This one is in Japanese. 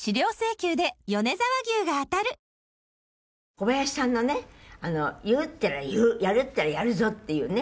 小林さんのね言うったら言うやるったらやるぞっていうね